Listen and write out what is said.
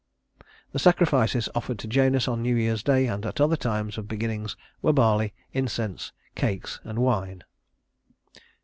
The sacrifices offered to Janus on New Year's day and at other times of beginnings were barley, incense, cakes, and wine.